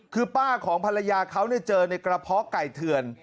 คือป้าของภรรยาเขาเจอในกระเพาะไก่เถื่อน